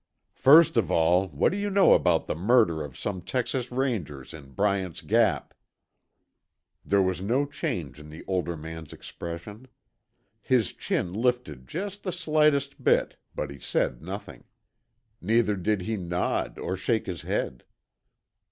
"First of all, what do you know about the murder of some Texas Rangers in Bryant's Gap?" There was no change in the older man's expression. His chin lifted just the slightest bit, but he said nothing. Neither did he nod or shake his head.